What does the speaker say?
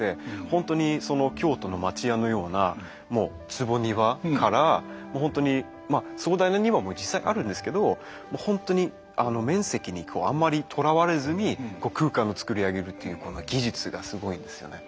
本当にその京都の町家のようなもう坪庭から本当にまあ壮大な庭も実際にあるんですけどもう本当に面積にあんまりとらわれずに空間をつくり上げるというこの技術がすごいんですよね。